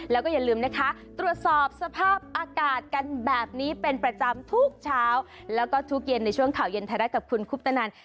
แล้วก็อย่าลืมนะคะตรวจสอบสภาพอากาศกันแบบนี้เป็นประจำทุกเช้าแล้วก็ทุกเย็นในช่วงข่าวเย็นไทยรัฐกับคุณคุปตนัน